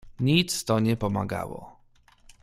"Nic to nie pomagało."